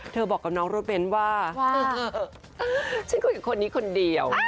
บอกกับน้องรถเบ้นว่าฉันคุยกับคนนี้คนเดียว